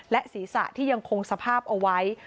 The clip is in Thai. และศีรษะที่ยังคงสภาพเอาไว้